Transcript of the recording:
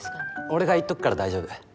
俺が言っとくから大丈夫。